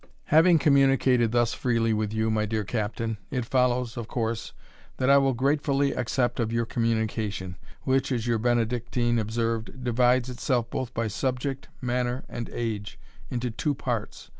Having communicated thus freely with you, my dear Captain, it follows, of course, that I will gratefully accept of your communication, which, as your Benedictine observed, divides itself both by subject, manner, and age, into two parts.